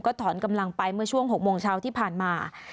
ถอนกำลังไปเมื่อช่วง๖โมงเช้าที่ผ่านมา